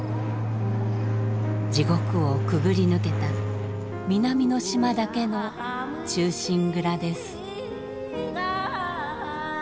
地獄をくぐり抜けた南の島だけの「忠臣蔵」です。